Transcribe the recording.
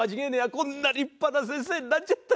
こんな立派な先生になっちゃって。